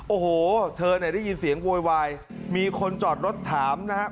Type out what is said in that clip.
โอ้โหเธอเนี่ยได้ยินเสียงโวยวายมีคนจอดรถถามนะครับ